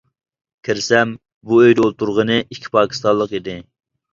كىرسەم بۇ ئۆيدە ئولتۇرغىنى ئىككى پاكىستانلىق ئىدى.